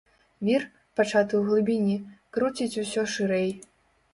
Вір, пачаты ў глыбіні, круціць усё шырэй.